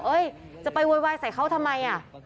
เฮ้ยจะไปโวยวายใส่เขาทำไม